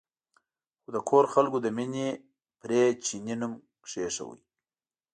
خو د کور خلکو له مینې پرې چیني نوم کېښود.